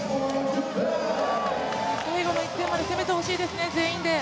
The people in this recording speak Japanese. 最後の１点まで攻めてほしいですね、全員で。